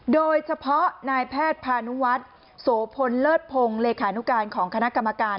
โดยเฉพาะนายแพทย์พานุวัฒน์โสพลเลิศพงศ์เลขานุการของคณะกรรมการ